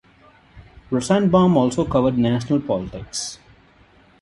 Rosenbaum also covered national politics.